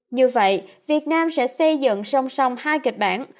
như vậy việt nam sẽ xây dựng song song hai kịch bản